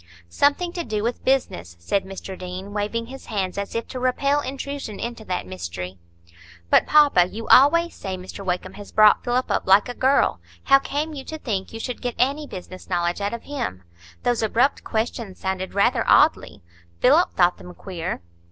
"Something to do with business," said Mr Deane, waving his hands, as if to repel intrusion into that mystery. "But, papa, you always say Mr Wakem has brought Philip up like a girl; how came you to think you should get any business knowledge out of him? Those abrupt questions sounded rather oddly. Philip thought them queer."